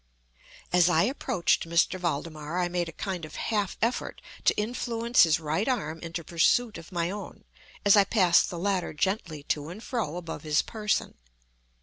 As I approached M. Valdemar I made a kind of half effort to influence his right arm into pursuit of my own, as I passed the latter gently to and fro above his person.